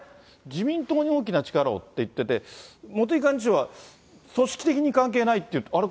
自民党に大きな力をって言ってて、茂木幹事長は、組織的に関係ないって、あれ？